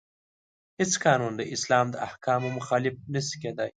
هیڅ قانون د اسلام د احکامو مخالف نشي کیدای.